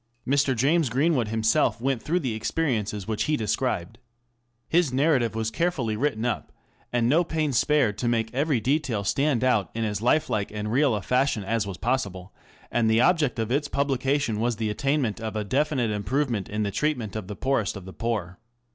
Mr. James Greenwood himself went through the experiences which he described. His narrative was carefully written up, and no pains spared to make every detail stand out in as life like and real a fashion as was possible, and the object of its publication was the attainment of a definite improvement in the treatment of the poorest of the poor.